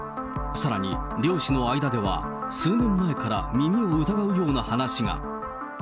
さらに漁師の間では、数年前から耳を疑うような話が。